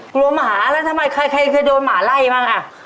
หมาแล้วทำไมใครเคยโดนหมาไล่บ้างอ่ะ